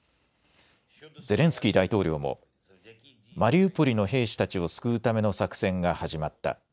ゼレンスキー大統領もマリウポリの兵士たちを救うための作戦が始まった。